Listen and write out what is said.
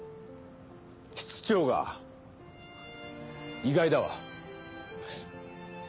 室長が意外だわ。